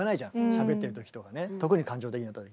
しゃべってる時とかね特に感情的な時。